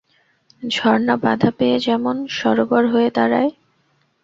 ঝরনা বাধা পেয়ে যেমন সরোবর হয়ে দাঁড়ায়।